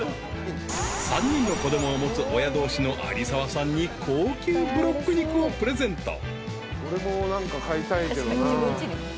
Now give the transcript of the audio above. ［３人の子供を持つ親同士の有澤さんに高級ブロック肉をプレゼント］えっ？